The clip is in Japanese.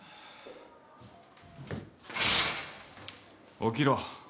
・起きろ。